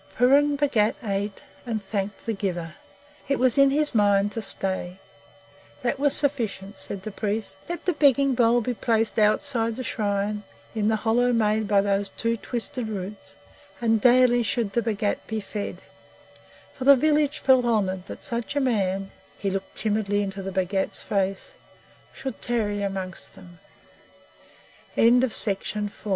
Purun Bhagat ate, and thanked the giver. It was in his mind to stay. That was sufficient, said the priest. Let the begging bowl be placed outside the shrine, in the hollow made by those two twisted roots, and daily should the Bhagat be fed; for the village felt honoured that such a man he looked timidly into the Bhagat's face should tarry among them. That day saw the end of Purun Bhagat's wanderings.